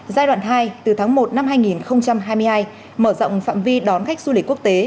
giai đoạn hai từ tháng một năm hai nghìn hai mươi hai mở rộng phạm vi đón khách du lịch quốc tế